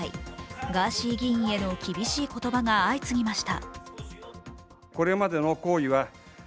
ガーシー議員への厳しい言葉が相次ぎました。